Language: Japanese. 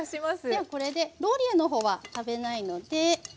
ではこれでローリエの方は食べないのでよいしょ。